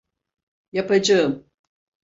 Yapacağım.